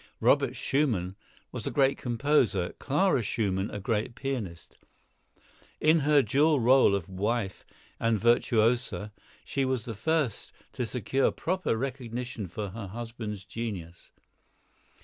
Robert Schumann was a great composer, Clara Schumann a great pianist. In her dual rôle of wife and virtuosa she was the first to secure proper recognition for her husband's genius.